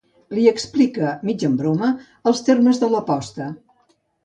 Li explica, mig en broma, els termes de l'aposta.